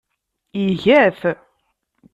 Iga-t.